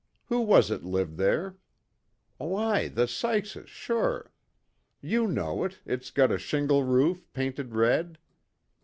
Who was it lived there? Why, the Sykeses, sure. You know it, it's got a shingle roof, painted red."